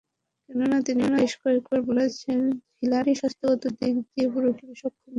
কেননা তিনি বেশ কয়েকবার বলেছেন, হিলারি স্বাস্থ্যগত দিক দিয়ে পুরোপুরি সক্ষম নন।